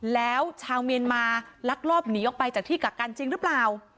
แล้วชาวเมียนมาลักลอบหนีออกไปจากที่กักกันจริงหรือเปล่า